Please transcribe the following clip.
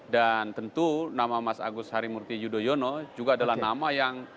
dan tentu nama mas agus harimurti yudhoyono juga adalah nama yang